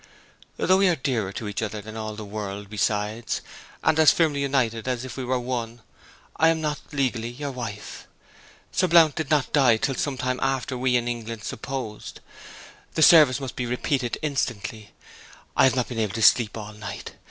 Though we are dearer to each other than all the world besides, and as firmly united as if we were one, I am not legally your wife! Sir Blount did not die till some time after we in England supposed. The service must be repeated instantly. I have not been able to sleep all night.